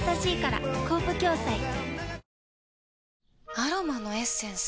アロマのエッセンス？